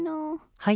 はい。